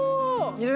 いる！